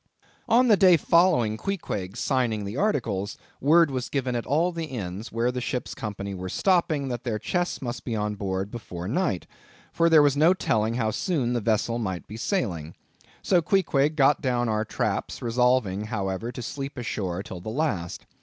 On the day following Queequeg's signing the articles, word was given at all the inns where the ship's company were stopping, that their chests must be on board before night, for there was no telling how soon the vessel might be sailing. So Queequeg and I got down our traps, resolving, however, to sleep ashore till the last.